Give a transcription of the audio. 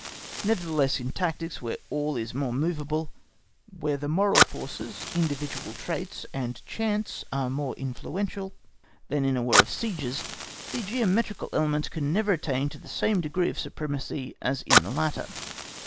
Nevertheless, in tactics, where all is more movable, where the moral forces, individual traits, and chance are more influential than in a war of sieges, the geometrical element can never attain to the same degree of supremacy as in the latter.